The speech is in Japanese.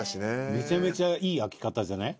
めちゃめちゃいい開き方じゃない？